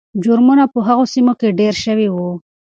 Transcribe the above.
جرمونه په هغو سیمو کې ډېر شوي وو.